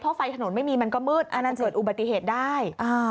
เพราะว่าไฟถนนไม่มีมันก็มืดจะเกิดอุบัติเหตุได้